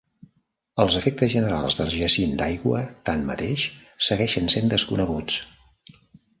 Els efectes generals del jacint d'aigua, tanmateix, segueixen sent desconeguts.